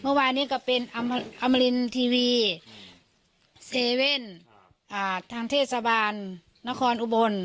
เมื่อวานนี้ก็เป็นอมรินทีวีเซเว่นทางเทศบาลนครอุบล